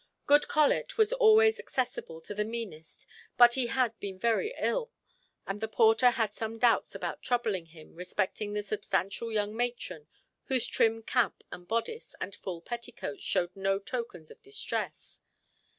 Good Colet was always accessible to the meanest, but he had been very ill, and the porter had some doubts about troubling him respecting the substantial young matron whose trim cap and bodice, and full petticoats, showed no tokens of distress.